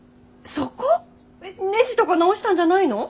えっネジとか直したんじゃないの？